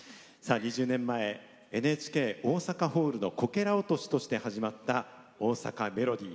２０年前、ＮＨＫホールのこけら落としとして始まった「大阪メロディー」。